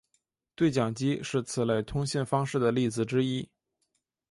对讲机是此类通信方式的例子之一。